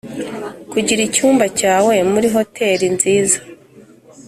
kugira icyumba cyawe muri hoteri nziza.